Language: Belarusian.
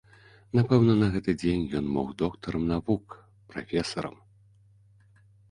Напэўна, на гэты дзень ён мог доктарам навук, прафесарам.